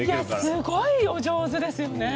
すごいお上手ですよね。